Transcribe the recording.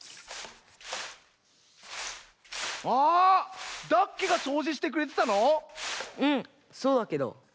あダッケがそうじしてくれてたの⁉うんそうだけど。